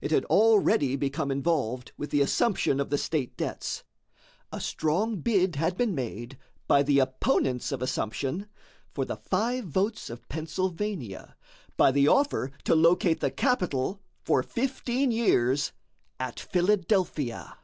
It had already become involved with the assumption of the state debts. A strong bid had been made by the opponents of assumption for the five votes of Pennsylvania by the offer to locate the capital for fifteen years at Philadelphia.